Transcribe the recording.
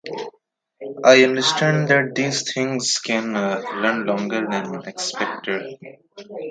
I understand that these things can run longer than expected.